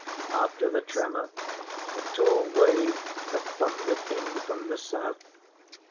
After the tremor, a tall wave had thundered in from the south.